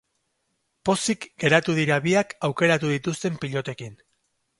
Pozik geratu dira biak aukeratu dituzten pilotekin.